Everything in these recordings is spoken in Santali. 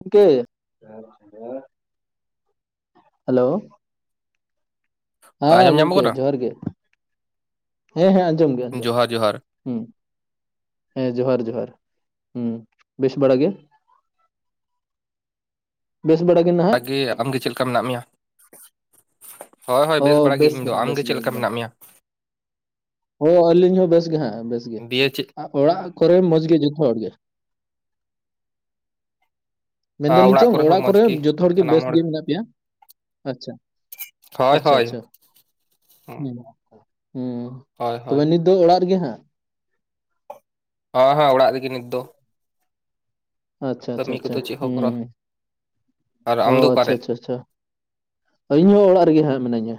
ᱜᱚᱢᱠᱮ ᱦᱮᱞᱳ ᱦᱮᱸ ᱟᱸᱡᱚᱢ ᱧᱟᱢᱚᱜ ᱜᱚᱢᱠᱮ ᱠᱟᱱᱟ? ᱡᱚᱦᱟᱨ ᱜᱮ ᱦᱮᱸ ᱦᱮᱸ ᱟᱸᱡᱚᱢ ᱜᱮ ᱟᱸᱡᱚᱢ ᱡᱚᱦᱟᱨ ᱡᱚᱦᱟᱨ ᱦᱮᱸ ᱦᱮᱸ ᱡᱚᱦᱟᱨ ᱡᱚᱦᱟᱨ ᱦᱩᱸ ᱵᱮᱥ ᱵᱟᱲᱟ ᱜᱮ ᱵᱮᱥ ᱵᱟᱲᱟ ᱜᱮ ᱱᱟᱦᱟᱜ ᱚᱱᱟᱜᱮ ᱟᱢᱜᱮ ᱪᱮᱫ ᱞᱮᱠᱟ ᱢᱮᱱᱟᱜ ᱢᱮᱭᱟ ᱦᱳᱭ ᱦᱳᱭ ᱵᱮᱥ ᱚ ᱵᱟᱲᱟᱟᱜ ᱜᱮ ᱤᱧ ᱫᱚ ᱦᱟᱸᱜ ᱵᱮᱥ ᱟᱢᱜᱮ ᱜᱮ ᱪᱮᱫ ᱞᱮᱠᱟ ᱮᱠᱫᱚᱢ ᱢᱮᱱᱟᱜ ᱢᱮᱭᱟ ᱚ ᱟᱹᱞᱤᱧ ᱦᱚᱸ ᱵᱮᱥ ᱜᱮ ᱦᱟᱸᱜ ᱵᱮᱥ ᱜᱮ ᱫᱤᱭᱮ ᱪᱮᱫ ᱚᱲᱟᱜ ᱠᱚᱨᱮ ᱢᱚᱡᱽ ᱜᱮ ᱡᱚᱛᱚ ᱦᱚᱲᱜᱮ ᱟ, ᱢᱮᱱᱫᱟᱞᱤᱧ ᱪᱚᱝ ᱦᱚᱸ ᱚᱲᱟᱜ ᱢᱚᱸᱡᱽ ᱠᱚᱨᱮ ᱜᱮ? ᱡᱚᱛᱚ ᱦᱚᱲᱜᱮ ᱥᱟᱱᱟᱢ ᱵᱮᱥ ᱦᱚᱲ ᱜᱮ ᱢᱮᱱᱟᱜ ᱯᱮᱭᱟ ᱟᱪᱪᱷᱟ ᱦᱳᱭ ᱦᱳᱭ ᱦ ᱦᱩᱸ, ᱦᱮᱸ ᱦᱳᱭ ᱦᱳᱭ ᱛᱚᱵᱮ ᱱᱤᱛ ᱫᱚ ᱚᱲᱟᱜ ᱨᱮᱜᱮ ᱦᱟᱸᱜ ᱦᱮᱸ ᱦᱮᱸ ᱚᱲᱟᱜ ᱨᱮᱜᱮ ᱱᱤᱛ ᱫᱚ ᱟᱪᱪᱷᱟ ᱟᱪᱪᱷᱟ ᱠᱟᱹᱢᱤ ᱟᱪᱪᱷᱟ ᱠᱚᱫᱚ ᱪᱮᱫ ᱦᱚᱸ ᱠᱚᱨᱟᱣ ᱦᱩᱸ ᱟᱨ ᱚ ᱟᱢ ᱫᱚ ᱟᱪᱪᱷᱟ ᱚᱠᱟᱨᱮ? ᱟᱪᱪᱷᱟ ᱟᱪᱷᱟ ᱤᱧ ᱦᱚᱸ ᱚᱲᱟᱜ ᱨᱮᱜᱮ ᱦᱟᱸᱜ ᱢᱤᱱᱟᱹᱧᱟ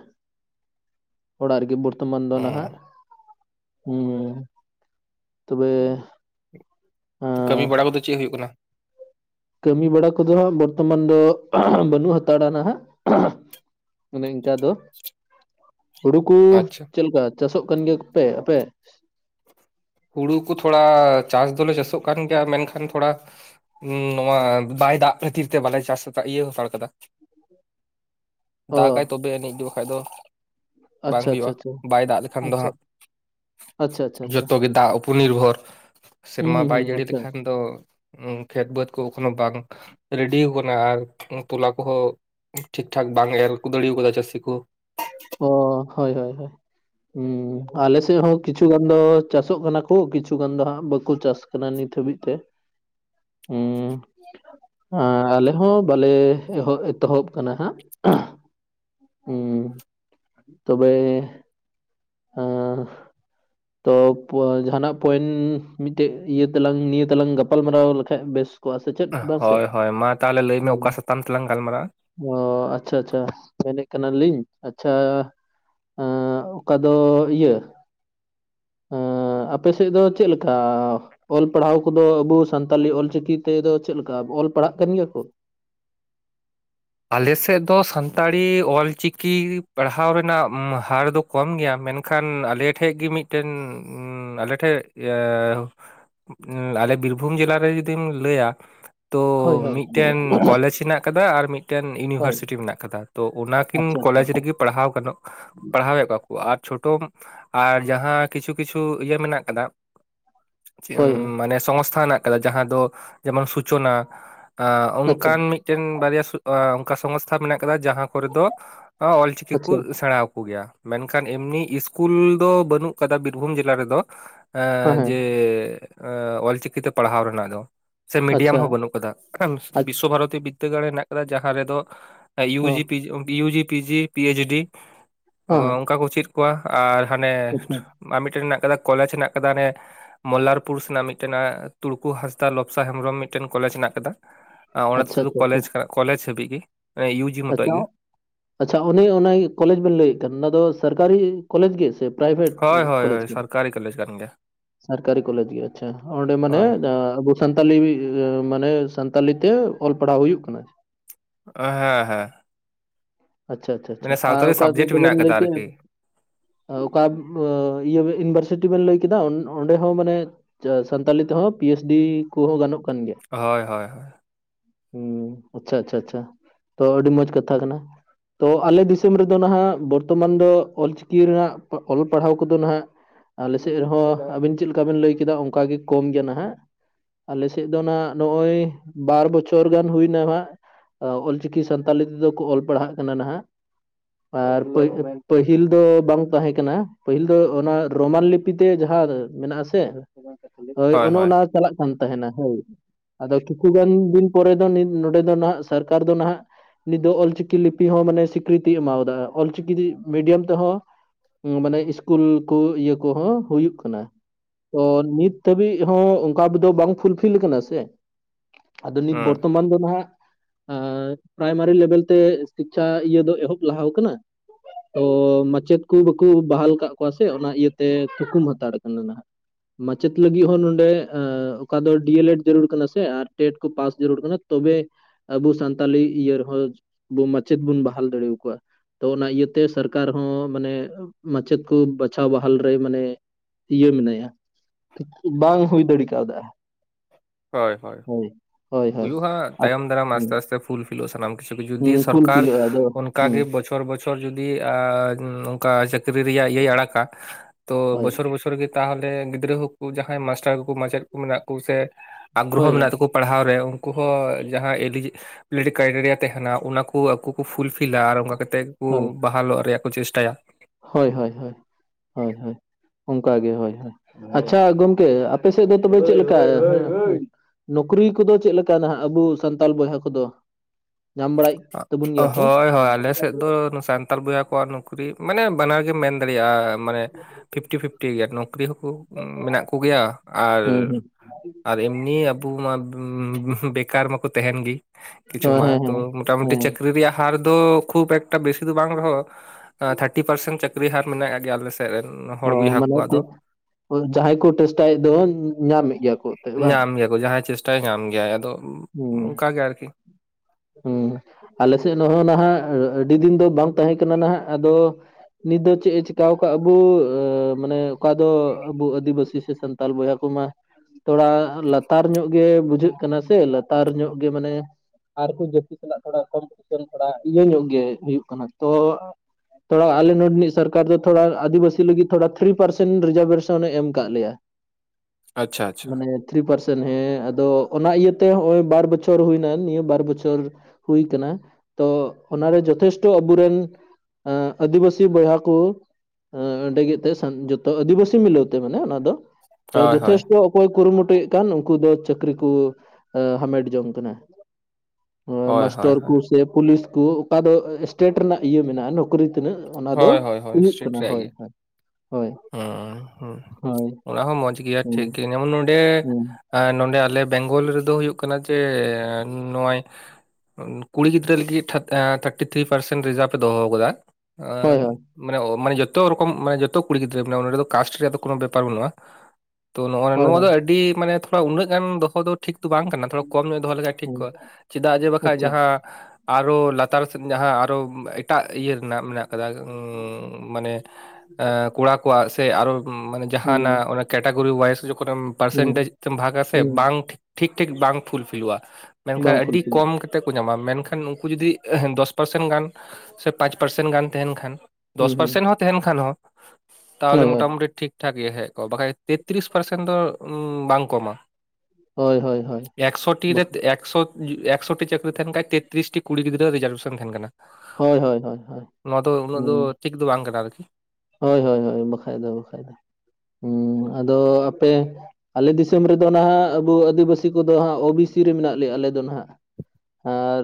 ᱚᱲᱟᱜ ᱨᱮᱜᱮ ᱵᱚᱨᱛᱚᱢᱟᱱ ᱫᱚ ᱦᱚᱸ ᱱᱟᱦᱟᱜ ᱦᱮᱸ ᱛᱚᱵᱮ ᱠᱟᱹᱢᱤ ᱟᱸ ᱵᱟᱲᱟ ᱠᱚᱫᱚ ᱪᱮᱫ ᱦᱩᱭᱩᱜ ᱠᱟᱱᱟ ᱠᱟᱹᱢᱤ ᱵᱟᱲᱟ ᱠᱚᱫᱚ ᱦᱟᱸᱜ ᱵᱚᱨᱛᱚᱢᱟᱱ ᱫᱚ ᱵᱟᱹᱱᱩᱜ ᱦᱟᱛᱟᱲᱟᱱᱟᱦᱟᱸᱜ ᱚᱱᱮ ᱤᱱᱠᱟᱹ ᱫᱚ ᱦᱩᱲᱩ ᱠᱚ ᱟᱪᱪᱷᱟ ᱪᱮᱫᱠᱟ ᱪᱟᱥᱚᱜ ᱠᱟᱱ ᱜᱮᱭᱟᱯᱮ ᱟᱯᱮ ᱦᱩᱲᱩ ᱠᱚ ᱛᱷᱚᱲᱟ ᱪᱟᱥ ᱫᱚᱞᱮ ᱪᱟᱥᱚᱜ ᱠᱟᱱ ᱜᱮᱭᱟ ᱢᱮᱱᱠᱷᱟᱱ ᱛᱷᱚᱲᱟ ᱱᱚᱣᱟ ᱵᱟᱭ ᱫᱟᱜ ᱠᱷᱟᱹᱛᱤᱨ ᱛᱮ ᱵᱟᱞᱮ ᱪᱟᱥ ᱤᱭᱟᱹ ᱦᱟᱛᱟᱲ ᱠᱟᱫᱟ ᱚ ᱫᱟᱜᱟᱭ ᱛᱚᱵᱮ ᱮᱱᱮᱡᱤᱡ ᱫᱚ ᱵᱟᱠᱷᱟᱡ ᱫᱚ ᱵᱟᱝ ᱟᱪᱪᱷᱟ ᱟᱪᱪᱷᱟ ᱦᱩᱭᱩᱜᱼᱟ ᱟᱪᱪᱷᱟ ᱵᱟᱭ ᱫᱟᱜ ᱞᱮᱠᱷᱟᱱ ᱫᱚ ᱟᱪᱪᱷᱟ ᱦᱟᱸᱜ ᱟᱪᱪᱷᱟ ᱟᱪᱪᱷᱟ ᱡᱚᱛᱚ ᱟᱪᱪᱷᱟ ᱟᱜ ᱩᱯ ᱱᱤᱨᱵᱷᱚᱨ ᱦᱩᱸ ᱥᱮᱨᱢᱟ ᱦᱩᱸ ᱵᱟᱭ ᱦᱩᱸ ᱡᱟᱹᱲᱤ ᱟᱪᱪᱷᱟ ᱞᱮᱠᱷᱟᱱ ᱫᱚ ᱠᱷᱮᱛ ᱵᱟᱹᱫᱽ ᱠᱚ ᱮᱠᱷᱚᱱᱳ ᱵᱟᱝ ᱨᱮᱰᱤ ᱠᱟᱱᱟ ᱟᱨ ᱛᱚᱞᱟ ᱠᱚᱦᱚᱸ ᱴᱷᱤᱠᱴᱷᱟᱠ ᱵᱟᱝ ᱮᱨ ᱠᱚ ᱫᱟᱲᱤᱣᱟᱠᱟᱫᱟ ᱪᱟᱹᱥᱤ ᱠᱚ [unintelligible] ᱦᱩ ᱟᱞᱮ ᱥᱮᱫ ᱦᱚᱸ ᱠᱤᱪᱷᱩ ᱜᱟᱱ ᱫᱚ ᱪᱟᱥᱚᱜ ᱠᱟᱱᱟ ᱠᱚ ᱠᱤᱪᱷᱩ ᱜᱟᱱ ᱫᱚ ᱦᱟᱜ ᱵᱟᱠᱚ ᱪᱟᱥ ᱠᱟᱱᱟ ᱱᱤᱛ ᱦᱟᱹᱵᱤᱡ [unintelligible] ᱦᱩᱸ ᱮ ᱟᱞᱮ ᱦᱚᱸ ᱵᱟᱞᱮ ᱮᱦᱚᱵ ᱮᱛᱚᱦᱚᱵ ᱠᱟᱱᱟ ᱦᱟᱸᱜ ᱦᱩᱸ ᱛᱚᱵᱮ--ᱟ ᱛᱚ ᱡᱟᱦᱱᱟᱜ ᱯᱚᱭᱮᱱᱴ ᱢᱤᱫᱴᱮᱡ ᱤᱭᱟᱹ ᱛᱮᱞᱟᱝ ᱱᱤᱭᱟᱹ ᱛᱮᱞᱟᱝ ᱜᱟᱯᱟᱞᱢᱟᱨᱟᱣ ᱞᱮᱠᱷᱟᱱ ᱵᱮᱥ ᱠᱚᱜᱼᱟ ᱥᱮ ᱪᱮᱫ ᱵᱟᱝ ᱥᱮ? ᱦᱳᱭ ᱦᱳᱭ ᱢᱟ ᱛᱟᱦᱚᱞᱮ ᱞᱟᱹᱭ ᱢᱮ ᱚᱠᱟ ᱦᱩᱸ ᱥᱟᱛᱟᱢ ᱛᱮᱞᱟᱝ ᱜᱟᱞᱢᱟᱨᱟᱜᱼᱟ ᱚ ᱟᱪᱪᱷᱟ ᱟᱪᱪᱷᱟ ᱢᱟᱱᱮ ᱠᱟᱱᱟᱞᱤᱧ ᱟᱪᱪᱷᱟ ᱩᱢ ᱚᱠᱟ ᱫᱚ ᱤᱭᱟᱹ [unintelligible] ᱮᱸ ᱟᱯᱮ ᱥᱮᱫ ᱫᱚ ᱪᱮᱫᱠᱟ ᱚᱞ ᱯᱟᱲᱦᱟᱣ ᱠᱚᱫᱚ ᱟᱵᱚ ᱥᱟᱱᱛᱟᱞᱤ ᱚᱞᱪᱤᱠᱤ ᱛᱮ ᱫᱚ ᱪᱮᱫ ᱞᱮᱠᱟ ᱚᱞ ᱯᱟᱲᱦᱟᱜ ᱠᱟᱱ ᱜᱮᱭᱟ ᱠᱚ [unintelligible] ᱟᱞᱮᱥᱮᱫ ᱫᱚ ᱥᱟᱱᱛᱟᱲᱤ ᱚᱞᱪᱤᱠᱤ ᱯᱟᱲᱦᱟᱣ ᱨᱮᱱᱟᱜ ᱦᱟᱨ ᱫᱚ ᱠᱚᱢ ᱜᱮᱭᱟᱟᱢ ᱢᱮᱱᱠᱷᱟᱱ ᱟᱞᱮ ᱴᱷᱮᱡ ᱜᱮ ᱢᱤᱫᱴᱮᱱ ᱟᱞᱮ ᱴᱷᱮᱡ ᱮ ᱟᱞᱮ ᱵᱤᱨᱵᱷᱩᱢ ᱡᱮᱞᱟᱨᱮ ᱡᱩᱫᱤᱢ ᱞᱟᱹᱭᱟ ᱛᱚ ᱦᱳᱭ ᱦᱳᱭ ᱢᱤᱫᱴᱮᱱ ᱠᱚᱞᱮᱡᱽ ᱦᱮᱱᱟᱜ ᱠᱟᱫᱟ ᱟᱨ ᱢᱤᱫ ᱦᱳᱭ ᱤᱭᱩᱱᱤᱵᱷᱟᱨᱥᱤᱴᱤ ᱢᱮᱱᱟᱜ ᱟᱠᱟᱫᱟ ᱛᱚ ᱚᱱᱟᱠᱤᱱ ᱟᱪᱪᱷᱟ ᱟᱪᱪᱷᱟ ᱠᱚᱞᱮᱡᱽ ᱨᱮᱜᱮ ᱯᱟᱲᱦᱟᱣ ᱜᱟᱱᱚᱜ ᱯᱟᱲᱦᱟᱣᱮᱫ ᱠᱚᱣᱟ ᱟᱨ ᱪᱷᱳᱴᱳ ᱟᱨ ᱡᱟᱦᱟ ᱠᱤᱪᱷᱩ ᱠᱤᱪᱷᱩ ᱤᱭᱟᱹ ᱢᱮᱱᱟᱜ ᱠᱟᱫᱟ ᱦᱳᱭ ᱦᱳᱭ ᱢᱟᱱᱮ ᱥᱚᱝᱥᱛᱷᱟ ᱢᱮᱱᱟᱜᱮᱱᱟᱜ ᱠᱟᱫᱟ ᱡᱟᱦᱟᱸ ᱫᱚ ᱡᱮᱢᱚᱱ ᱥᱩᱪᱚᱱᱟ ᱟᱸ ᱟᱪᱪᱷᱟ ᱚᱱᱠᱟᱱ ᱢᱤᱫᱴᱮᱱ ᱵᱟᱨᱭᱟ ᱚᱱᱠᱟ ᱥᱚᱝᱥᱛᱷᱟ ᱢᱮᱱᱟᱜ ᱟᱠᱟ ᱡᱟᱦᱟᱸ ᱠᱚᱨᱮ ᱫᱚ ᱚᱞ ᱪᱤᱠᱤ ᱠᱚ ᱟᱪᱪᱷᱟ ᱥᱮᱬᱟ ᱠᱚ ᱜᱮᱭᱟ ᱢᱮᱱᱠᱷᱟᱱ ᱮᱢᱱᱤ ᱤᱥᱠᱩᱞ ᱫᱚ ᱵᱟᱹᱱᱩᱜ ᱠᱟᱫᱟ ᱵᱤᱨᱵᱷᱩᱢ ᱡᱮᱞᱟ ᱨᱮᱫᱚ ᱮ ᱦᱮᱸ ᱦᱮᱸ ᱡᱮ ᱮᱸ ᱚᱞᱪᱤᱠᱤᱛᱮ ᱯᱟᱲᱦᱟᱣ ᱨᱮᱱᱟᱜ ᱫᱚ ᱥᱮ ᱢᱤᱰᱤᱭᱟᱢ ᱟᱪᱪᱷᱟ ᱦᱚᱸ ᱵᱟᱹᱱᱩᱜ ᱠᱟᱫᱟ ᱟᱠᱷᱟᱱ ᱟᱪ ᱵᱤᱥᱥᱚ ᱵᱷᱟᱨᱚᱛᱤ ᱵᱤᱫᱽᱫᱟᱹᱜᱟᱲ ᱦᱮᱱᱟᱜ ᱠᱟᱫᱟ ᱡᱟᱦᱟᱸ ᱨᱮᱫᱚ ᱤᱭᱩ ᱚ ᱡᱤ ᱤᱭᱩ ᱡᱤ ᱯ ᱡᱤ ᱯᱤ ᱮᱭᱤᱪ ᱰᱤ ᱦᱮᱸ ᱦᱮᱸ ᱚᱸᱻ ᱚᱱᱠᱟ ᱠᱚ ᱪᱤᱫ ᱠᱚᱣᱟ ᱟᱨ ᱦᱟᱱᱮ ᱟᱨ ᱢᱤᱫᱴᱮᱱ ᱨᱮᱱᱟᱜ ᱠᱚᱞᱮᱡᱽ ᱦᱮᱱᱟᱜ ᱟᱠᱟᱫᱟ ᱚᱱᱮ ᱢᱚᱞᱞᱟᱨᱯᱩᱨ ᱥᱮᱱᱟᱜ ᱢᱤᱫᱴᱮᱱ ᱮ ᱛᱲᱠᱩ ᱦᱟᱸᱥᱫᱟ ᱞᱚᱵᱥᱟ ᱦᱮᱢᱵᱨᱚᱢ ᱢᱤᱫᱴᱮᱱ ᱠᱚᱞᱮᱡᱽ ᱠᱚᱞᱮᱡᱽ ᱦᱮᱱᱟᱜ ᱟᱠᱟᱫᱟ ᱚᱱᱟᱛᱮ ᱟᱪᱪᱷᱟ ᱥᱩᱫᱩ ᱟᱪᱪᱷᱟ ᱟᱪᱪᱷᱟ ᱠᱚᱞᱮᱡᱽ ᱠᱟ ᱠᱚᱞᱮᱡᱽ ᱦᱟᱹᱵᱤᱡ ᱜᱮ ᱤᱭᱩᱡᱤ ᱢᱚᱛᱚᱡ ᱟᱪᱪᱷᱟ, ᱜᱮ ᱟᱪᱪᱷᱟ ᱚᱱᱮ ᱚᱱᱟ ᱠᱚᱞᱮᱡᱽ ᱵᱮᱱ ᱞᱟᱹᱭᱮᱫ ᱠᱟᱱ ᱚᱱᱟ ᱫᱚ ᱥᱚᱨᱠᱟᱨᱤ ᱠᱚᱞᱮᱡᱽ ᱜᱮ ᱥᱮ ᱯᱨᱟᱭᱵᱷᱮᱴ ᱦᱳᱭ ᱦᱳᱭ ᱠᱚᱞᱮᱡᱽ ᱦᱳᱭ ᱠᱚ ᱥᱚᱨᱠᱟᱨᱤ ᱠᱚᱞᱮᱡᱽ ᱠᱟᱱ ᱜᱮᱭᱟ ᱥᱟᱨᱠᱟᱨᱤ ᱠᱚᱞᱮᱡᱽ ᱜᱮ ᱟᱪᱪᱷᱟ ᱚᱸᱰᱮ ᱢᱟᱱᱮ ᱦᱳᱭ ᱡᱟᱦᱟ ᱟᱵᱚ ᱥᱟᱱᱛᱟᱞᱤ ᱢᱟᱱᱮ ᱥᱟᱱᱛᱟᱞᱤ ᱛᱮ ᱚᱞ ᱯᱟᱲᱦᱟᱣ ᱦᱩᱭᱩᱜ ᱠᱟᱱᱟ ᱦᱮᱸ ᱦᱮᱸ ᱦᱮᱸ ᱟᱪᱪᱷᱟ ᱟᱪᱪᱷᱟ ᱟᱪᱪᱷᱟ ᱢᱟᱱᱮ ᱥᱟᱶᱛᱟᱞᱤ ᱚᱠᱟ ᱥᱟᱵᱡᱮᱠᱴ ᱫᱚ ᱢᱮᱱᱟᱜ ᱵᱮᱱ ᱠᱟᱫᱟ ᱞᱟᱹᱭ ᱠᱮᱜ-ᱟ ᱟᱨᱠᱤ ᱚᱠᱟ ᱤᱭᱟᱹ ᱤᱱᱵᱟᱨᱥ ᱪᱮᱫ ᱛᱮ ᱵᱮᱱ ᱞᱟᱹᱭ ᱠᱮᱫᱟ ᱚᱸᱰᱮ ᱦᱚᱸ ᱢᱟᱱᱮ ᱥᱟᱱᱛᱟᱞᱤ ᱛᱮᱦᱚᱸ ᱯᱤ ᱮᱭᱤᱪ ᱰᱤ ᱠᱚᱦᱚᱸ ᱜᱟᱱᱚᱜ ᱠᱟᱱᱟ ᱦᱳᱭ ᱦᱳᱭ ᱦᱳᱭ ᱦᱩᱸ ᱟᱪᱪᱷᱟ ᱟᱪᱪᱷᱟ ᱟᱪᱪᱷᱟ ᱛᱚ ᱟᱹᱰᱤ ᱢᱚᱸᱡᱽ ᱠᱟᱛᱷᱟ ᱠᱟᱱᱟ ᱛᱚ ᱟᱞᱮ ᱫᱤᱥᱚᱢ ᱨᱮᱫᱚ ᱱᱟᱦᱟᱜ ᱵᱚᱨᱛᱚᱢᱟᱱ ᱫᱚ ᱚᱞᱪᱤᱠᱤ ᱨᱮᱱᱟᱜ ᱚᱞ ᱯᱟᱲᱦᱟᱣ ᱠᱚᱫᱚ ᱱᱟᱦᱟᱜ ᱟᱞᱮ ᱥᱮᱫ ᱨᱮᱦᱚᱸ ᱟᱹᱵᱤᱱ ᱪᱮᱫ ᱞᱮᱠᱟ ᱵᱤᱱ ᱞᱟᱹᱭ ᱠᱮᱫᱟ ᱚᱱᱠᱟᱜᱮ ᱠᱚᱢ ᱜᱮᱭᱟ ᱱᱟᱦᱟᱜ ᱟᱞᱮ ᱥᱮᱫ ᱫᱚ ᱱᱟᱜ ᱱᱚᱜᱼᱚᱭ ᱵᱟᱨ ᱵᱚᱪᱷᱚᱨ ᱜᱟᱱ ᱦᱩᱭᱱᱟ ᱦᱟᱜ ᱚᱞᱪᱤᱠᱤ ᱥᱟᱱᱛᱟᱞᱤ ᱛᱮᱫᱚ ᱠᱚ ᱚᱞ ᱯᱟᱲᱦᱟᱜ ᱠᱟᱱᱟ ᱱᱟᱦᱟᱜ ᱟᱨ ᱯᱟᱹᱦᱤᱞ ᱫᱚ ᱵᱟᱝ ᱛᱟᱦᱮᱸᱠᱟᱱᱟ ᱯᱟᱹᱦᱤᱞ ᱫᱚ ᱚᱱᱟ ᱨᱳᱢᱟᱱ ᱞᱤᱯᱤᱛᱮ ᱡᱟᱦᱟᱸ ᱢᱮᱱᱟᱜ ᱟᱥᱮ ᱦᱳᱭ ᱚᱱᱮ ᱚᱱᱟ ᱪᱟᱞᱟᱜ ᱠᱟᱱ ᱛᱟᱦᱮᱱᱟ ᱦᱳᱭ ᱟᱫᱚ ᱠᱤᱪᱷᱩᱜᱟᱱ ᱫᱤᱱ ᱯᱚᱨᱮ ᱫᱚ ᱱᱚᱰᱮ ᱫᱚ ᱱᱟᱦᱟᱜ ᱥᱚᱨᱠᱟᱨ ᱫᱚ ᱱᱟᱦᱟᱜ ᱱᱤᱛ ᱫᱚ ᱚᱞᱪᱤᱠᱤ ᱞᱤᱯ ᱪᱮ [unintelligible] ᱦᱚᱸ ᱢᱟᱱᱮ ᱥᱤᱠᱨᱤᱛᱤᱭ ᱮᱢᱟᱣᱟᱫᱟ ᱚᱞᱪᱤᱠᱤ ᱢᱤᱰᱤᱭᱟᱢ ᱛᱮᱦᱚᱸ ᱢᱟᱱᱮ ᱤᱥᱠᱩᱞ ᱠᱚ ᱤᱭᱟᱹ ᱠᱚᱦᱚᱸ ᱦᱩᱭᱩᱜ ᱠᱟᱱᱟ ᱛᱚ ᱱᱤᱛ ᱫᱷᱟᱹᱵᱤᱡ ᱦᱚᱸ ᱚᱱᱠᱟ ᱫᱚ ᱵᱟᱝ ᱯᱷᱩᱞᱯᱷᱤᱞ ᱠᱟᱱᱟ ᱥᱮ ᱟᱫᱚ ᱱᱤᱛ ᱦᱩᱸ ᱵᱚᱨᱛᱚᱢᱟᱱ ᱫᱚ ᱱᱟᱟᱜ ᱯᱨᱟᱭᱢᱟᱨᱤ ᱞᱮᱵᱮᱞ ᱛᱮ ᱥᱤᱪᱪᱷᱟ ᱤᱭᱟᱹ ᱫᱚ ᱮᱦᱚᱵ ᱞᱟᱦᱟᱣ ᱟᱠᱟᱱᱟ ᱛᱚ ᱢᱟᱪᱮᱫ ᱠᱚ ᱵᱟᱠᱚ ᱵᱟᱦᱟᱞ ᱠᱟᱜ ᱠᱚᱣᱟ ᱥᱮ ᱚᱱᱟ ᱤᱭᱟᱹᱛᱮ ᱛᱷᱩᱠᱩᱢ ᱦᱟᱛᱟᱲ ᱠᱟᱱᱟ ᱦᱱᱟᱜ ᱢᱟᱪᱮᱫ ᱞᱟᱹᱜᱤᱫ ᱦᱚᱸ ᱱᱚᱰᱮ ᱚᱠᱟ ᱫᱚ ᱰᱤ ᱮᱞ ᱮᱰ ᱡᱟᱹᱨᱩᱲ ᱠᱟᱱᱟ ᱥᱮ ᱟᱨ ᱴᱮᱰ ᱠᱚ ᱯᱟᱥ ᱡᱟᱹᱨᱩᱲ ᱠᱟᱱᱟ ᱛᱚᱵᱮ ᱟᱵᱚ ᱥᱟᱱᱛᱟᱞᱤ ᱤᱭᱟᱹ ᱨᱮᱦᱚᱸ ᱟ ᱢᱟᱪᱮᱫ ᱵᱚᱱ ᱵᱟᱦᱟᱞ ᱫᱟᱲᱮ ᱟᱠᱠᱚᱣᱟ ᱛᱚ ᱚᱱᱟ ᱤᱭᱟᱹᱛᱮ ᱥᱚᱨᱠᱟᱨ ᱦᱚᱸ ᱢᱟᱱᱮ ᱢᱟᱪᱮᱫ ᱠᱚ ᱵᱟᱪᱷᱟᱣ ᱵᱟᱦᱟᱞ ᱨᱮ ᱢᱟᱱᱮ ᱤᱭᱟᱹ ᱢᱮᱱᱟᱭᱟ ᱵᱟᱝ ᱦᱩᱭ ᱫᱟᱲᱮ ᱠᱟᱣᱫᱟ ᱦᱳᱭ ᱦᱳᱭ ᱦᱳᱭ ᱦᱳᱭ ᱦᱩᱭᱩᱜ ᱦᱟᱸᱜ ᱛᱟᱭᱚᱢ ᱫᱟᱨᱟᱢ ᱟᱥᱛᱮ ᱟᱥᱛᱮ ᱯᱷᱩᱞ ᱯᱷᱤᱞᱚᱜ ᱥᱟᱱᱟᱢ ᱠᱪ ᱡᱩᱫᱤ ᱥᱚᱨᱠᱟᱨ ᱯᱷᱩᱞᱯᱷᱤᱞᱚᱜᱼᱟ ᱟᱫᱚ ᱦᱳᱭ ᱚᱱᱠᱟᱜᱮ ᱵᱚᱪᱷᱚᱨ ᱵᱚᱪᱷᱚᱨ ᱡᱩᱫᱤ ᱚᱱᱠᱟ ᱪᱟᱹᱠᱨᱤ ᱨᱮᱭᱟᱜ ᱤᱭᱟᱹᱭ ᱟᱲᱟᱜᱟ ᱛᱚ ᱦᱳᱭ ᱵᱚᱪᱷᱚᱨ ᱵᱚᱪᱷᱚᱨ ᱜᱮ ᱛᱟᱦᱚᱞᱮ ᱜᱤᱫᱽᱨᱟᱹ ᱦᱚᱸᱠᱩ ᱡᱟᱦᱟᱸᱭ ᱢᱟᱥᱴᱟᱨ ᱠᱚᱠᱚ ᱢᱟᱪᱮᱫ ᱠᱚ ᱢᱮᱱᱟᱜ ᱠᱚ ᱥᱮ ᱟᱜᱽᱨᱚᱦᱚ ᱦᱳᱭ ᱢᱮᱱᱟᱜ ᱛᱟᱠᱚ ᱯᱟᱲᱦᱟᱣ ᱨᱮ ᱩᱱᱠᱩ ᱦᱚᱸ ᱡᱟᱦᱟᱸ ᱮ ᱵᱞᱰᱤ ᱠᱨᱟᱭᱴᱮᱨᱤᱭᱟ ᱛᱟᱦᱮᱱᱟ ᱚᱱᱟᱠᱩ ᱟᱠᱚ ᱠᱚ ᱯᱷᱩᱞ ᱯᱷᱤᱞᱟ ᱟᱨ ᱚᱱᱠᱟᱛᱮᱫ ᱠᱟᱟᱛ ᱠᱚ ᱵᱟᱦᱟᱞᱚᱜ ᱨᱮᱭᱟᱜ ᱠᱚ ᱪᱮᱥᱴᱟᱭᱟ ᱦᱳᱭ ᱦᱳᱭᱳ ᱦᱳᱭ ᱚᱱᱠᱟᱜᱮ ᱦᱳᱭ ᱦᱳ ᱟᱪᱪᱷᱟ ᱜᱚᱢᱠᱮ ᱟᱯᱮ ᱥᱮᱫ ᱫᱚ ᱛᱚᱵᱮ ᱪᱮᱫᱞ ᱞᱮᱠᱟ ᱱᱚᱠᱨᱤ ᱠᱚᱫᱚ ᱪᱮᱫ ᱞᱮᱠᱟᱦᱜ ᱟᱵᱚ ᱥᱟᱱᱛᱟᱲ ᱵᱚᱭᱦᱟ ᱠᱚᱫᱚ ᱧᱟᱢ ᱵᱟᱲᱟᱭᱮᱫ ᱛᱟᱵᱚᱱ ᱜᱮᱭᱟ ᱦᱳᱭ ᱠᱚ ᱦᱳᱭ ᱟᱞᱮ ᱥᱮᱫ ᱫᱚ ᱥ ᱥᱟᱱᱛᱟᱞ ᱵᱚᱭᱦᱟ ᱠᱚᱣᱟᱜ ᱱᱩᱠᱨᱤ ᱢᱟᱱᱮ ᱵᱟᱱᱟᱨ ᱜᱮᱢ ᱢᱮᱱ ᱫᱟᱲᱮᱭᱟᱜᱼᱟ ᱢᱟᱱᱮ ᱯᱷᱤᱯᱴᱤ ᱯᱷᱤᱯᱴᱤ ᱜᱮᱭᱟ ᱱᱚᱠᱨᱤ ᱦᱚᱸᱠᱚ ᱢᱮᱱᱟᱜ ᱠᱚᱜᱮᱭᱟ ᱟᱨ ᱦᱮᱸ ᱦᱮᱸ ᱟᱨ ᱮᱢᱱᱤ ᱟᱵᱚ ᱢᱟ ᱵᱮᱠᱟᱨ ᱢᱟᱠᱚ ᱛᱟᱦᱮᱱ ᱜᱮᱤ ᱠᱤᱪᱷᱩ ᱦᱮᱸ ᱢᱟ ᱦᱮᱸ ᱛᱚ ᱦᱮᱸ ᱢᱚᱴ ᱢᱩᱩᱴᱤ ᱦᱮᱸ ᱪᱟᱹᱠᱨᱤ ᱨᱮᱭᱟᱜ ᱦᱚᱸ ᱟᱨ ᱫᱚ ᱠᱷᱩᱵ ᱮᱠᱴᱟ ᱵᱮᱥᱤ ᱫᱚ ᱵᱟᱝ ᱨᱮᱦᱚᱸ ᱛᱷᱟᱨᱴᱤ ᱯᱟᱨᱥᱮᱱᱴ ᱪᱟᱹᱠᱨᱤ ᱦᱟᱨ ᱢᱮᱱᱟᱜ ᱜᱮᱭᱟ ᱟᱞ ᱚ ᱢᱟᱱᱮ ᱪᱮᱫ ᱡᱟᱦᱟᱸᱭ ᱠᱚ ᱪᱮᱥᱴᱟᱭᱮᱫ ᱫᱚ ᱧᱟᱢᱮᱫ ᱜᱮᱭᱟ ᱠᱚ ᱮᱱᱛᱮᱫ ᱧᱟᱢ ᱜᱮᱭᱟ ᱠᱚ ᱡᱟᱦᱟᱸᱭ ᱪᱮᱥᱴᱟᱭ ᱧᱟᱢ ᱜᱮᱭᱭᱟ ᱟᱫᱚ ᱦᱸ ᱚᱱᱠᱟ ᱜᱮ ᱟᱨᱠᱤ ᱦᱮᱸ ᱟᱞᱮ ᱥᱮᱫ ᱦᱚᱸ ᱱᱟᱦᱟᱜ ᱟᱹᱰᱤ ᱫᱤᱱ ᱫᱚ ᱵᱟᱝ ᱛᱟᱦᱮᱸ ᱠᱟᱱᱟ ᱱᱟᱦᱟᱜ ᱟᱫᱚ ᱱᱤᱛ ᱫᱚ ᱪᱮᱫ ᱮ ᱪᱤᱠᱠᱟ ᱟᱠᱟᱫᱼᱟ ᱟᱵᱚ ᱢᱟᱱᱮ ᱚᱠᱟ ᱫᱚ ᱟᱵᱚ ᱟᱹᱫᱤᱵᱟᱹᱥᱤ ᱥᱮ ᱥᱟᱱᱛᱟᱞ ᱵᱚᱭᱦᱟ ᱠᱚ ᱛᱷᱚᱲᱟ ᱞᱟᱛᱟᱨ ᱧᱚᱜ ᱜᱮ ᱵᱩᱡᱷᱟᱹᱜ ᱠᱟᱱᱟ ᱥᱮ ᱞᱟᱛᱟᱨ ᱧᱚᱜ ᱜᱮ ᱢᱟᱱᱮ ᱟᱨᱠᱚ ᱡᱟᱹᱛᱤ ᱥᱟᱞᱟᱜ ᱛᱷᱚᱲᱟ ᱠᱚᱢᱯᱤᱴᱤᱥᱚᱱ ᱛᱷᱚᱲᱟ ᱤᱭᱟᱹ ᱧᱚᱜ ᱜᱮ ᱦᱩᱭᱩᱜ ᱠᱟᱱᱟ ᱛᱚ ᱛᱷᱚᱲᱟ ᱟᱞᱮ ᱱᱚᱰᱮᱱᱤᱡ ᱥᱚᱨᱠᱟᱨ ᱫᱚ ᱛᱷᱚᱲᱟ ᱟᱹᱫᱤᱵᱟᱹᱥᱤ ᱞᱟᱹᱜᱤᱫ ᱛᱷᱚᱲᱟ ᱛᱷᱨᱤ ᱯᱟᱨᱥᱮᱱ ᱨᱤᱡᱟᱨᱵᱷᱮᱥᱚᱱᱮ ᱮᱢ ᱟᱠᱟᱟᱜ ᱞᱮᱭᱟ ᱟᱪᱪᱷᱟ ᱟᱪᱪᱷᱟ ᱢᱟᱱᱮ ᱛᱷᱨᱤ ᱯᱟᱨᱥᱮᱱ ᱦᱮᱸ ᱟᱫᱚ ᱚᱱᱟ ᱤᱭᱟᱹᱛᱮ ᱵᱟᱨ ᱵᱚᱪᱷᱚᱨ ᱦᱩᱭᱱᱟ ᱱᱤᱭᱟᱹ ᱵᱟᱨ ᱵᱚᱪᱷᱚᱨ ᱦᱩᱭ ᱟᱠᱟᱱᱟ ᱛᱚ ᱚᱱᱟᱨᱮ ᱡᱚᱛᱷᱮᱥᱴᱚ ᱟᱵᱚᱮᱱ ᱟᱹᱫᱤᱵᱟᱹᱥᱤ ᱵᱚᱭᱦᱟ ᱠᱚ ᱚᱸᱰᱮᱜ ᱛᱮ ᱡᱚᱛᱚ ᱟᱹᱫᱤᱵᱟᱹᱥᱤ ᱢᱤᱞᱟᱹᱣ ᱛᱮ ᱢᱟᱱᱮ ᱚᱱᱟ ᱫᱚ ᱛᱚ ᱦᱳᱭ ᱦᱳᱭ ᱡᱚᱛᱷᱮᱥᱴᱚ ᱚᱠᱚᱭ ᱠᱩᱨᱩᱢᱩᱴᱩᱭᱮᱫ ᱠᱟᱱ ᱩᱱᱠᱩ ᱫᱚ ᱪᱟᱹᱠᱨᱤ ᱠᱚ ᱦᱟᱢᱮᱴ ᱡᱚᱝ ᱠᱟᱱᱟ ᱦᱳᱭ ᱦᱳᱭ ᱢᱟᱥᱴᱚᱨ ᱠᱚ ᱦᱳᱭ ᱥᱮ ᱯᱩᱞᱤᱥ ᱚᱠᱟ ᱫᱚ ᱥᱴᱮᱴ ᱨᱮᱱᱟᱜ ᱤᱭᱟᱹ ᱢᱮᱱᱟᱜᱼᱟ ᱱᱚᱠᱨᱤ ᱛᱤᱱᱟᱹᱜ ᱚᱱᱟ ᱫᱚ ᱦᱳᱭ ᱦᱩᱭᱩᱜ ᱠᱟᱱᱟ ᱦᱳᱭ ᱦᱳᱭ ᱦᱮᱸ ᱦᱮᱸ ᱦᱳᱭ ᱦᱳᱭ ᱚᱱᱟ ᱦᱚᱸ ᱢᱚᱸᱡᱽᱜᱮᱭᱟ ᱦᱩᱸ ᱴᱷᱤᱠᱜᱮᱭᱟ ᱡᱮᱢᱚᱱ ᱱᱚᱰᱮ ᱦᱩᱸ ᱱᱚᱰᱮ ᱟᱞᱮ ᱵᱮᱝᱜᱚᱞ ᱨᱮᱫᱚ ᱦᱩᱭᱩᱜᱜ ᱠᱟᱱᱟ ᱠᱟᱱᱟ ᱡᱮ ᱱᱚᱜᱚᱭ ᱠᱩᱲᱤ ᱜᱤᱫᱽᱨᱟᱹ ᱞᱟᱹᱜᱤᱫ ᱛᱷᱟᱨᱴᱤ ᱛᱷᱨᱤ ᱯᱟᱨᱥᱮᱱ ᱨᱤᱡᱟᱨᱵᱷ ᱮ ᱫᱚᱦᱚ ᱟᱠᱟᱫᱟ ᱦᱳᱭ ᱦᱳᱭ ᱢᱟᱱᱮ ᱢᱟᱱᱮ ᱡᱚᱛᱚ ᱨᱚᱠᱚᱢ ᱢᱟᱱᱮ ᱡᱚᱛᱚ ᱠᱩᱲᱤ ᱜᱤᱫᱽᱨᱟᱹ ᱢᱮᱱᱟᱜᱼᱟ ᱱᱚᱰᱮ ᱫᱚ ᱠᱟᱥᱴ ᱨᱮᱭᱟᱜ ᱫᱚ ᱠᱳ ᱵᱮᱯᱟᱨ ᱵᱟᱹᱱᱩᱜᱼᱟ ᱛᱚ ᱱᱚᱜ ᱦᱳᱭ ᱱᱚᱣᱟ ᱦᱳᱭ ᱫᱚ ᱟᱹᱰᱤ ᱢᱟᱱᱮ ᱛᱷ ᱩᱱᱟᱹᱜ ᱜᱟᱱ ᱫᱚᱦᱚ ᱫᱚ ᱴᱷᱤᱠ ᱫᱚ ᱵᱟᱝ ᱠᱟᱱᱟ ᱛᱷᱚᱲᱟ ᱠᱚᱢ ᱧᱚᱜ ᱫᱚᱦᱚ ᱞᱮᱠᱷᱟᱡ ᱴᱷᱤᱠ ᱦᱩᱸ ᱠᱚᱜᱼᱟ ᱪᱮᱫᱟᱜ ᱡᱮ ᱵᱟᱠᱟᱱᱡ ᱟᱪᱪᱷᱟ ᱡᱟᱦᱟᱸ ᱟᱨᱚ ᱞᱟᱛᱟᱨ ᱥᱮᱮᱫ ᱡᱟᱦᱟᱸ ᱟᱨᱚ ᱮᱴᱟᱜ ᱤᱭᱟᱹ ᱨᱮᱱᱟᱜ ᱢᱮᱱᱟᱜ ᱟᱠᱟᱫᱟ ᱢᱟᱱᱮ ᱠᱚᱲᱟ ᱥᱮ ᱟᱨᱚ ᱢᱟᱱᱮ ᱦᱩᱸ ᱡᱟᱦᱟᱱᱟᱜ ᱚᱱᱟ ᱠᱮᱴᱟᱜᱚᱨᱤ ᱣᱟᱭ ᱠᱳᱚᱱᱮᱢ ᱦᱩᱸ ᱯᱟᱨᱥᱮᱱᱴᱮᱡᱽ ᱛᱮᱢ ᱵᱷᱟᱜᱼᱟ ᱥᱮ ᱦᱩᱸ ᱵᱟᱝ ᱴᱷᱤᱠ ᱴᱷᱤᱠ ᱵᱟᱝ ᱯᱷᱩᱞ ᱯᱷᱤᱤᱞᱚᱜᱼᱟ ᱢᱮᱱᱠᱷᱟᱱ ᱵᱟᱝ ᱟᱹᱰᱤ ᱯᱷᱩᱞᱯᱷᱤᱞᱚᱜ ᱠᱚᱢ ᱠᱟᱛᱮ ᱠᱚ ᱧᱟᱢᱟ ᱢᱮᱱᱠᱷᱟᱱ ᱩᱱᱠᱩ ᱡᱩᱫᱤ ᱫᱚᱥ ᱯᱟᱨᱥᱮᱱ ᱜᱟᱱ ᱥᱮ ᱯᱟᱸᱪ ᱯᱟᱨᱥᱮᱱ ᱜᱟᱱ ᱛᱟᱦᱮᱱ ᱠᱷᱟᱱ ᱦᱩᱸ ᱫᱚᱥ ᱦᱩᱸ ᱯᱟᱨᱥᱮᱱ ᱦᱚᱸ ᱛᱟᱦᱮᱱ ᱠᱷᱟᱱ ᱦᱚᱸ ᱛᱟᱦᱚᱞᱮ ᱦᱳᱭ ᱦᱳᱭ ᱢᱚᱴᱟᱢᱩᱴᱤ ᱴᱷᱤᱠ ᱴᱷᱟᱠ ᱜᱮ ᱦᱮᱡ ᱠᱚᱜᱼᱟ ᱵᱟᱠᱷᱟᱱ ᱛᱮᱛᱨᱤᱥ ᱯᱟᱨᱥᱮᱱ ᱫᱚ ᱵᱟᱝ ᱠᱚ ᱮᱢᱟ ᱦᱳᱭ ᱦᱳᱭ ᱦᱳᱭ ᱮᱠᱥᱚ ᱴᱤ ᱨᱮ ᱵᱟᱠᱷᱟᱡ ᱮᱠᱥᱚ ᱮᱠᱥᱚᱴᱤ ᱪᱟᱹᱠᱨᱤ ᱛᱟᱦᱮᱱ ᱠᱷᱟᱡ ᱛᱮᱛᱨᱤᱥᱴᱤ ᱠᱩᱲᱤ ᱜᱤᱫᱽᱨᱟᱹ ᱨᱤᱡᱟᱨᱵᱷᱮᱥᱚᱱ ᱛᱟᱦᱮᱱ ᱠᱟᱱᱟ ᱦᱳᱭ ᱦᱳᱭ ᱦᱳᱭ ᱦᱳᱭ ᱱᱚᱣᱟ ᱫᱚ ᱩᱱᱟᱹᱜ ᱫᱚ ᱦᱩᱸ ᱴᱷᱤᱠ ᱫᱚ ᱵᱟᱝ ᱠᱟᱱᱟ ᱟᱨᱠᱤ ᱦᱳᱭ ᱦᱳᱭ ᱦᱳᱭ ᱵᱟᱠᱷᱟᱭ ᱫᱚ ᱵᱟᱠᱷᱟᱭ ᱫᱚ ᱦᱮ ᱟᱫᱚ ᱟᱯᱮ ᱟᱞᱮ ᱫᱤᱥᱚᱢ ᱨᱮᱫᱚ ᱱᱟᱦᱜ ᱟᱵᱚ ᱟᱹᱫᱤᱵᱟᱹᱥᱤ ᱠᱚᱫᱚ ᱦᱟᱸᱜ ᱳᱵᱤᱥ ᱚᱵᱤᱰᱤ ᱨᱮ ᱢᱮᱱᱟᱜ ᱞᱮᱭᱟ ᱟᱞᱮᱫᱚ ᱱᱟᱦᱟᱜ ᱟᱨ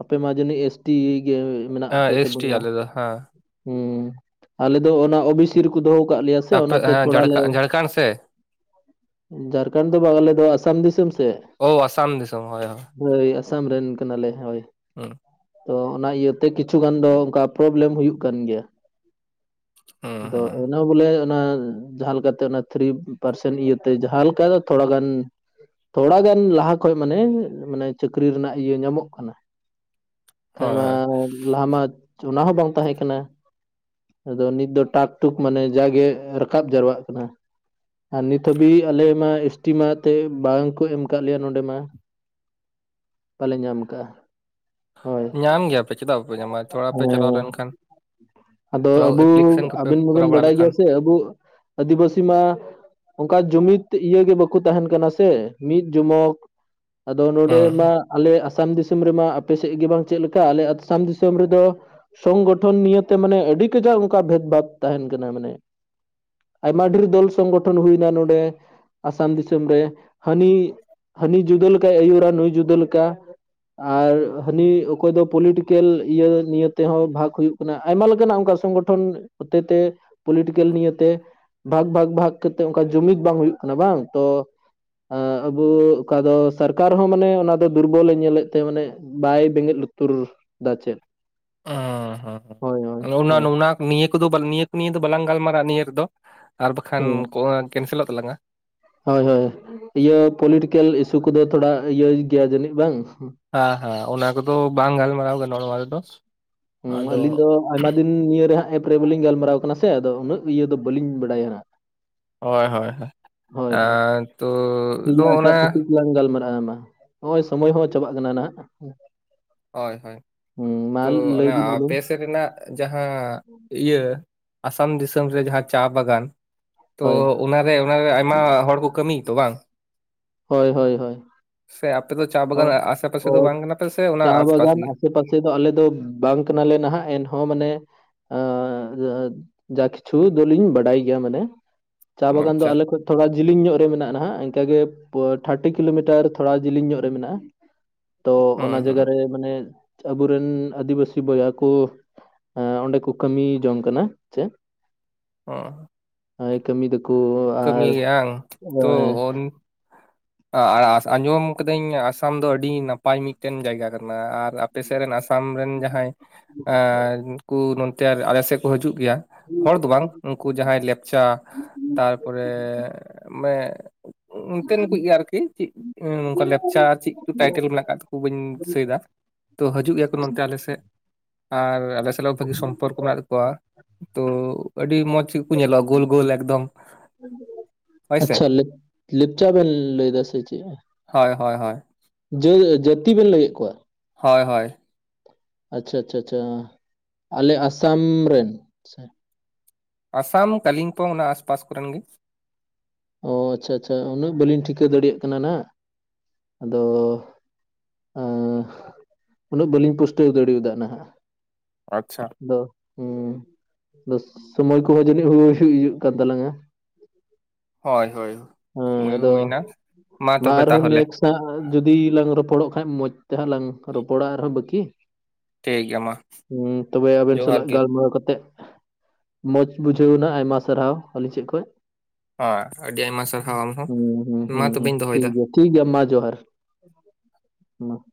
ᱟᱯᱮ ᱢᱟ ᱡᱟᱹᱱᱤᱡ ᱮᱥ ᱴᱤ ᱜᱮ ᱢᱮᱱᱟᱜ ᱯᱮ ᱮᱥᱴᱤ ᱛᱟᱵᱚᱱᱟ ᱟᱞᱮ ᱫᱚ ᱦᱮᱸ ᱦᱮᱸ ᱚᱱᱟ ᱚ ᱵᱤ ᱥᱤ ᱨᱮᱠᱚ ᱫᱚᱦᱚ ᱟᱠᱟᱫ ᱞᱮᱭᱟ ᱥᱮ ᱟᱯᱮ ᱚᱱᱟᱛᱮ ᱦᱮᱸ ᱛᱷᱚᱲᱟ ᱞᱮ ᱡᱷᱟᱲᱠᱷᱚᱸᱰ ᱡᱷᱟᱲᱠᱷᱚᱸᱰ ᱥᱮ ᱡᱷᱟᱲᱠᱷᱚᱸᱰ ᱫᱚ ᱵᱟᱝ ᱟᱞᱮ ᱫᱚ ᱟᱥᱟᱢ ᱫᱤᱥᱚᱢ ᱥᱮᱫ ᱚ ᱟᱥᱟᱢ ᱫᱤᱥᱚᱢ ᱦᱳᱭ ᱦᱳᱭ ᱟᱥᱟᱢ ᱨᱮᱱ ᱠᱟᱱᱟᱞᱮ ᱦᱳᱭ ᱦᱮᱸ ᱛᱚ ᱚᱱᱟ ᱤᱭᱟᱹᱛᱮ ᱠᱤᱪᱷᱩ ᱜᱟᱱ ᱫᱚ ᱚᱱᱠᱟ ᱯᱨᱚᱵᱞᱮᱢ ᱦᱩᱭᱩᱜ ᱠᱟᱱ ᱜᱮᱭᱟ ᱦᱩᱸ ᱟᱫᱚ ᱦᱩᱸ ᱮᱱᱟ ᱵᱚᱞᱮ ᱚᱱᱟ ᱡᱟᱦᱟᱸ ᱞᱮᱠᱟᱛᱮ ᱚᱱᱟ ᱛᱷᱨᱤ ᱯᱟᱨᱥᱮᱱ ᱤᱭᱟᱹᱛᱮ ᱡᱟᱦᱟᱸ ᱞᱮᱠᱟ ᱛᱷᱚᱲ ᱜᱟᱱ ᱛᱷᱚᱲᱟᱟᱜᱟᱱ ᱞᱟᱦᱟ ᱠᱷᱚᱡ ᱢᱟᱱᱮ ᱢᱟᱱᱮ ᱪᱟᱹᱠᱨᱤ ᱨᱮᱱᱟᱜ ᱤᱭᱟᱹ ᱧᱟᱢᱚᱜ ᱠᱟᱱᱟ ᱠᱷᱟᱱ ᱦᱳᱭ ᱢᱟ ᱦᱳᱭ ᱞᱟᱦᱟ ᱢᱟ ᱚᱱᱟ ᱦᱚᱸ ᱵᱟᱝ ᱛᱟᱦᱮᱸ ᱠᱟᱱᱟ ᱟᱫᱚ ᱱᱤᱛ ᱫᱚ ᱴᱟᱠ ᱴᱩᱠ ᱢᱟᱱᱮ ᱡᱟᱜᱮ ᱨᱟᱠᱟᱵ ᱡᱟᱣᱨᱟᱜ ᱠᱟᱱᱟ ᱟᱨ ᱱᱤᱛ ᱦᱟᱹᱵᱤᱡ ᱟᱞᱮ ᱢᱟ ᱮᱥ ᱴᱤ ᱢᱮᱱ ᱛᱮ ᱵᱟᱝᱠᱚ ᱮᱢ ᱠᱟᱜ ᱞᱮᱭᱟ ᱱᱚᱰᱮ ᱢᱟ ᱵᱟᱞᱮ ᱧᱟᱢ ᱠᱟᱜᱼᱟ ᱦᱳᱭ ᱧᱟᱢ ᱜᱮᱭᱟᱯᱮ ᱪᱮᱫᱟᱜ ᱵᱟᱯᱮ ᱧᱟᱢᱟ ᱛᱷᱚᱲᱟ ᱯᱮ ᱪᱟᱞᱟᱣ ᱦᱮᱸ ᱞᱮᱱᱠᱷᱟᱱ ᱟᱫᱚ ᱛᱷᱚᱲᱟ ᱟᱵᱚ ᱮᱯᱞᱤᱠᱮᱥᱚᱱ ᱠᱚᱯᱮ ᱠᱚᱨᱟᱣ ᱵᱟᱲᱟ ᱵᱟᱰᱟᱭ ᱞᱮᱠᱷᱟᱱ ᱜᱮᱭᱟ ᱥᱮ ᱟᱵᱚ ᱟᱹᱫᱤᱵᱟᱹᱥᱤ ᱢᱟ ᱡᱩᱢᱤᱫ ᱤᱭᱟᱹᱮ ᱵᱟᱠᱚ ᱛᱟᱦᱮᱱ ᱠᱟᱱᱟ ᱥᱮ ᱢᱤᱫ ᱡᱚᱢᱚᱠ ᱟᱫᱚ ᱦᱩᱸ ᱱᱚᱰᱮ ᱢᱟ ᱟᱞᱮ ᱟᱥᱟᱢ ᱫᱤᱥᱚᱢ ᱨᱮᱢᱟ ᱟᱯᱮ ᱥᱮᱫ ᱜᱮ ᱵᱟᱝ ᱪᱮᱫ ᱞᱮᱠᱟ ᱟᱞᱮ ᱟᱥᱟᱢ ᱫᱤᱥᱚᱢ ᱨᱮᱫᱚ ᱥᱚᱝᱜᱚᱴᱷᱚᱱ ᱱᱤᱭᱮᱛᱮ ᱢᱟᱱᱮ ᱟᱹᱰᱤ ᱚᱱᱠᱟ ᱵᱷᱮᱫᱽ ᱵᱷᱟᱵᱽ ᱛᱟᱦᱮᱱ ᱠᱟᱱᱟ ᱢᱟᱱᱮ ᱟᱭᱢᱟ ᱰᱷᱮᱨ ᱫᱚᱞ ᱥᱚᱝᱜᱚᱴᱷᱚᱱ ᱦᱩᱭᱱᱟ ᱱᱚᱰᱮ ᱟᱥᱟᱢ ᱫᱤᱥᱚᱢ ᱨᱮ ᱦᱟᱹᱱᱤ ᱦᱟᱹᱱᱤ ᱡᱩᱫᱟᱹ ᱞᱮᱠᱟ ᱟᱭᱩᱨᱟ ᱱᱩᱭ ᱡᱩᱫᱟᱹ ᱞᱮᱠᱟ ᱟᱨ ᱦᱟᱹᱱᱤ ᱚᱠᱚᱭ ᱫᱚ ᱯᱚᱞᱤᱴᱤᱠᱮᱞ ᱤᱭᱟᱹ ᱱᱤᱭᱟᱹᱮ ᱛᱮᱦᱚᱸ ᱵᱷᱟᱜᱽ ᱦᱩᱭᱩᱜ ᱠᱟᱱᱟ ᱟᱭᱢᱟ ᱞᱮᱠᱟᱱᱟᱜ ᱚᱱᱠᱟ ᱥᱚᱝᱜᱚᱴᱚᱱ ᱦᱚᱛᱮ ᱛᱮ ᱯᱚᱞᱤᱴᱤᱠᱮᱞ ᱱᱤᱭᱛᱮ ᱵᱷᱟᱜᱽ ᱵᱷᱟᱜᱽ ᱵᱷᱟᱜᱽ ᱠᱟᱛᱮᱜ ᱚᱱᱠᱟ ᱡᱩᱢᱤᱫ ᱵᱟᱝ ᱦᱩᱭᱩᱜ ᱠᱟᱱᱟ ᱵᱟᱝ ᱛᱚ ᱟᱵᱚ ᱚᱠᱟ ᱫᱚ ᱥᱚᱨᱠᱟᱨ ᱦᱚᱸ ᱢᱟᱱᱮ ᱚᱱᱟ ᱫᱚ ᱫᱩᱨᱵᱚᱞᱮ ᱧᱮᱞᱮᱫ ᱛᱮ ᱢᱟᱱᱮ ᱵᱟᱭ ᱵᱮᱸᱜᱮᱫ ᱛᱩᱨ ᱫᱟ ᱪᱮᱫ ᱦ ᱦᱳᱭ ᱦᱳᱭ ᱦᱸ ᱚᱱᱟ ᱦᱳᱭ ᱚᱱᱟ ᱱᱤᱭᱟᱹ ᱠᱚᱫᱚ ᱱᱤᱭᱟᱹ ᱠᱚ ᱱᱤᱭᱟᱹ ᱫᱚ ᱵᱟᱞᱟᱝ ᱜᱟᱞᱢᱟᱨᱟᱜᱼᱟ ᱱᱤᱭᱟᱹ ᱨᱮᱫᱚ ᱟᱨ ᱵᱟᱠᱷᱟᱱ ᱦᱩᱸ ᱠᱮᱱᱥᱮᱞᱚᱜ ᱛᱟᱞᱟᱝᱼᱟ ᱦᱳᱭ ᱦᱳᱭ ᱤᱭᱟᱹ ᱯᱚᱞᱤᱴᱤᱠᱮᱞ ᱤᱥᱩ ᱠᱚᱫᱚ ᱛᱷᱚᱲᱟ ᱤᱭᱟᱹ ᱜᱮᱭᱟ ᱡᱟᱹᱱᱤᱡ ᱵᱟᱝ ᱦᱮᱸ ᱦᱮᱸ ᱚᱱᱟ ᱠᱚᱫᱚ ᱵᱟᱝ ᱜᱟᱞᱢᱟᱨᱟᱣ ᱜᱟᱱᱚᱜᱼᱟ ᱱᱚᱣᱟ ᱨᱮᱫᱚ ᱦᱮᱸ ᱟᱫᱚ ᱟᱞᱤᱧ ᱫᱚ ᱟᱭᱢᱟ ᱫᱤᱱ ᱱᱤᱭᱮ ᱦᱟᱸᱜ ᱯᱚᱨᱮ ᱵᱟᱹᱞᱤᱧ ᱜᱟᱞᱢᱟᱨᱟᱣ ᱠᱟᱱᱟ ᱥᱮ ᱟᱫᱚ ᱩᱱᱟᱹᱜ ᱤᱭᱟᱹ ᱫᱚ ᱵᱟᱹᱞᱤᱧ ᱵᱟᱲᱟᱭᱟ ᱦᱟᱸᱜ ᱦᱳᱭ ᱦᱳᱭ ᱛᱚ ᱚᱱᱮ ᱟᱭᱢᱟ ᱱᱚᱸᱜᱼᱚᱭ ᱥᱚᱢᱚᱭ ᱦᱚᱸ ᱪᱟᱵᱟᱜ ᱠᱟᱱᱟ ᱱᱟᱦᱟᱜ ᱦᱳᱭ ᱦᱳᱭ ᱦᱩᱸ ᱢᱟ ᱛᱚ ᱞᱟᱹᱭ ᱵᱤᱱ ᱟᱯᱮ ᱟᱵᱤᱱ ᱥᱮᱫ ᱨᱮᱱᱟᱜ ᱡᱟᱦᱟᱸ ᱤᱭᱟᱹ ᱟᱥᱟᱢ ᱫᱤᱥᱚᱢ ᱨᱮ ᱡᱟᱦᱟᱸ ᱪᱟ ᱵᱟᱜᱟᱱ ᱛᱚ ᱦᱳᱭ ᱚᱱᱟᱨᱮ ᱚᱱᱟᱨᱮ ᱟᱭᱢᱟ ᱦᱚᱲ ᱠᱚ ᱠᱟᱹᱢᱤᱭᱟᱛᱚ ᱵᱟᱝ ᱦᱳᱭ ᱦᱳᱭ ᱦᱳᱭ ᱥᱮ ᱟᱯᱮ ᱫᱚ ᱪᱟ ᱵᱟᱜᱟᱱ ᱟᱥᱮ ᱯᱟᱥᱮ ᱫᱚ ᱵᱟᱝ ᱠᱟᱱᱟ ᱯᱮ ᱥᱮ ᱚᱱᱟ ᱟᱥᱯᱟᱥ ᱵᱟᱜᱟᱱ ᱜᱮ? ᱟᱥᱮ ᱯᱟᱥᱮ ᱫᱚ ᱟᱞᱮ ᱫᱚ ᱵᱟᱝ ᱠᱟᱱᱟᱞᱮ ᱱᱟᱦᱟᱜ ᱮᱱᱦᱚᱸ ᱢᱟᱱᱮ ᱮ ᱡᱟ ᱠᱤᱪᱷᱩ ᱫᱚᱞᱤᱧ ᱵᱟᱰᱟᱭ ᱜᱮᱭᱟ ᱢᱟᱱᱮ ᱪᱟ ᱵᱟᱜᱟᱱ ᱫᱚ ᱟᱪᱪᱷᱟ ᱟᱞᱮ ᱠᱷᱚᱡ ᱛᱷᱚᱲᱟ ᱡᱮᱞᱮᱧ ᱧᱚᱜ ᱨᱮ ᱢᱮᱱᱟᱜᱼᱟᱜ ᱤᱱᱠᱟ ᱜᱮ ᱛᱷᱟᱨᱴᱤ ᱠᱤᱞᱳᱢᱤᱴᱟᱨ ᱛᱷᱚᱲᱟ ᱡᱮᱞᱮᱧ ᱧᱚᱜ ᱨᱮ ᱢᱮᱱᱟᱜᱼᱟ ᱛᱚ ᱚᱱᱟ ᱦᱩᱸ ᱦᱩᱸ ᱡᱟᱭᱜᱟ ᱨᱮ ᱢᱟᱱᱮ ᱟᱵᱚᱨᱮᱱ ᱟᱹᱫᱤᱵᱟᱹᱥᱤ ᱵᱚᱭᱦᱟ ᱠᱚ ᱮ ᱚᱸᱰᱮ ᱠᱚ ᱠᱟᱹᱢᱤ ᱡᱚᱝ ᱠᱟᱱᱟ ᱪᱮᱫ [inaudible] ᱠᱟᱹᱢᱤ ᱫᱟᱠᱚ ᱠᱟᱹᱢᱤ ᱟᱨ ᱜᱮ ᱵᱟᱝ ᱟᱨ ᱟᱸᱡᱚᱢ ᱠᱟᱹᱫᱟᱹᱧ ᱟᱥᱟᱢ ᱫᱚ ᱟᱹᱰᱤ ᱱᱟᱯᱟᱭ ᱢᱤᱫᱴᱮᱱ ᱡᱟᱭᱜᱟ ᱠᱟᱱᱟ ᱟᱨ ᱟᱯᱮᱥᱮᱫ ᱨᱮᱱ ᱟᱥᱟᱢ ᱨᱮᱱ ᱡᱟᱦᱟᱸᱭᱠᱩ ᱱᱚᱛᱮ ᱟᱞᱮᱥᱮᱫ ᱠᱚ ᱦᱤᱡᱩᱜ ᱠᱟᱱᱟ ᱜᱮᱭᱟ ᱦᱚᱲ ᱫᱚ ᱵᱟᱝ ᱩᱱᱠᱩ ᱡᱟᱦᱟᱸᱭ ᱞᱮᱯᱪᱟ ᱛᱟᱨᱯᱚᱨᱮ ᱢᱟᱱᱮ [inaudible] [inaudible] ᱜᱮᱭᱟ ᱟᱨᱠᱤ ᱪᱮᱫ ᱱᱚᱝᱠᱟ ᱞᱮᱯᱪᱟ ᱪᱮᱫ ᱠᱚ ᱴᱟᱭᱴᱮᱞ ᱢᱮᱱᱟᱜ ᱟᱠᱟᱫᱟᱠᱚ ᱵᱟᱹᱧ ᱫᱤᱥᱟᱹᱭᱮᱫᱟ ᱛᱳ ᱦᱤᱡᱩᱜ ᱜᱮᱭᱟᱠᱚ ᱢᱮᱱᱛᱮ ᱟᱞᱮ ᱥᱮᱫ ᱟᱨ ᱟᱞᱮ ᱥᱟᱞᱟᱜ ᱵᱷᱟᱹᱜᱤ ᱥᱚᱢᱯᱚᱨᱠᱚ ᱢᱮᱱᱟᱜ ᱛᱟᱠᱚᱣᱟ ᱛᱚ ᱟᱹᱰᱤ ᱢᱚᱸᱡᱽ ᱥᱚᱵ ᱠᱚ ᱧᱮᱞᱚᱜᱼᱟ ᱜᱳᱞ ᱜᱳᱞ ᱮᱠᱫᱚᱢ ᱦᱳᱭᱥᱮ ᱟᱪᱪᱷᱟ ᱞᱮᱯ ᱞᱮᱯᱪᱟ ᱵᱮᱱ ᱞᱟᱹᱭ ᱫᱟᱥᱮ ᱪᱮᱫ ᱦᱳᱭ ᱦᱳᱭ ᱡᱟᱹᱛᱤ ᱵᱮᱱ ᱞᱟᱹᱭᱮᱫ ᱠᱚᱣᱟ ᱦᱳᱭ ᱦᱳᱭ ᱟᱪᱪᱷᱟ ᱟᱪᱪᱷᱟ ᱟᱪᱪᱷᱟ ᱟᱞᱮ ᱟᱥᱟᱢ ᱨᱮᱱ ᱥᱮ ᱟᱥᱟᱢ ᱠᱟᱞᱤᱝᱯᱚ ᱚᱱᱟ ᱟᱥᱯᱟᱥ ᱠᱚᱨᱮᱱ ᱜᱮ ᱚ ᱟᱪᱪᱷᱟ ᱟᱪᱪᱷᱟ ᱩᱱᱟᱹᱜ ᱵᱟᱹᱞᱤᱧ ᱴᱷᱤᱠᱟᱹ ᱫᱟᱲᱮᱭᱟᱜ ᱠᱟᱱᱟ ᱦᱟᱸᱜ ᱟᱫᱚ ᱩᱱᱟᱹᱜ ᱵᱟᱹᱞᱤᱧ ᱯᱩᱥᱴᱟᱹᱣ ᱫᱟᱲᱮᱭᱟᱫᱟ ᱱᱟᱦᱟᱜ ᱟᱪᱪᱷᱟ ᱦᱮᱸ ᱟ ᱥᱚᱢᱚᱭ ᱠᱚᱦᱚᱸ ᱡᱟᱹᱱᱤᱡ ᱠᱟᱱ ᱛᱟᱞᱟᱝᱟ ᱦᱳᱭ ᱦᱳᱭ ᱦᱮᱸ ᱥᱚᱢᱚᱭ ᱟᱫᱚ ᱦᱩᱭᱱᱟ ᱢᱟ ᱛᱚᱵᱮ ᱟᱨᱦᱚᱸ ᱛᱟᱦᱚᱞᱮ ᱱᱮᱥᱴ ᱡᱩᱫᱤ ᱞᱟᱝ ᱨᱚᱯᱚᱲᱚᱜ ᱠᱟᱱᱟ ᱵᱟᱝᱠᱷᱟᱱᱡ ᱢᱚᱸᱡᱽ ᱛᱮᱦᱚᱸ ᱞᱟᱝ ᱨᱚᱯᱚᱲᱟ ᱟᱨᱦᱚᱸ ᱵᱟᱹᱠᱤ ᱴᱷᱤᱠ ᱜᱮᱭᱟ ᱢᱟ ᱦᱩᱸ ᱛᱚᱵᱮ ᱟᱵᱮᱱ ᱡᱚᱦᱟᱨ ᱥᱟᱞᱟᱜ ᱜᱮ ᱜᱟᱞᱢᱟᱨᱟᱣ ᱠᱟᱛᱮ ᱢᱚᱡᱽ ᱵᱩᱡᱷᱟᱹᱣᱱᱟ ᱟᱭᱢᱟ ᱥᱟᱨᱦᱟᱣ ᱟᱹᱞᱤᱧ ᱥᱮᱫ ᱠᱷᱚᱡ ᱦᱳᱭ ᱦᱮᱸ ᱦᱮ ᱦᱮ ᱛᱚᱵᱮᱧ ᱫᱚᱦᱚᱭᱮᱫᱟ ᱴᱷᱤᱠ ᱜᱮᱭᱟ ᱴᱷᱤᱠ ᱜᱮᱭᱟ ᱢᱟ ᱡᱚᱦᱟᱨ [inaudible]